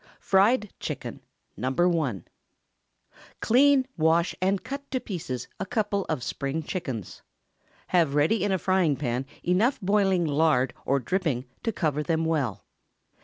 FRIED CHICKEN (No. 1). Clean, wash, and cut to pieces a couple of Spring chickens. Have ready in a frying pan enough boiling lard or dripping to cover them well.